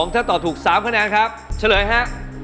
ถ้าตอบถูก๓คะแนนครับเฉลยฮะ